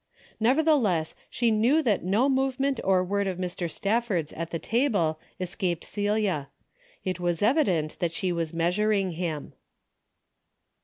Neverthe less, she knew that no movement or word of Mr. Stafford's at the table escaped Celia. It was evident that she was measuring him.